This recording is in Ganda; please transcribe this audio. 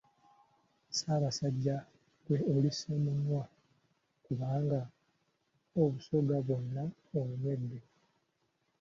Ssaabasajja, ggwe oli Ssemunywa, kubanga Obusoga bwonna obunywedde!